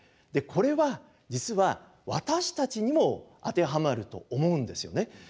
これは実は私たちにも当てはまると思うんですよね。